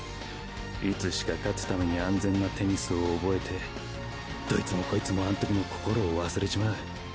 いつしか勝つために安全なテニスを覚えてどいつもこいつもあんときの心を忘れちまう。